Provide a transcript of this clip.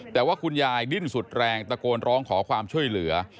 แต่ว่าคุณยายดิ้นสุดแรงตะโกนร้องขอความช่วยเหลือ